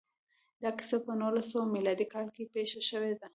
دا کیسه په نولس سوه میلادي کال کې پېښه شوې ده